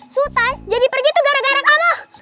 sultan jadi pergi tuh gara gara tanah